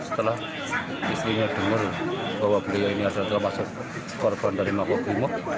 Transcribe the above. setelah istrinya dengar bahwa beliau ini adalah korban dari mako bumuk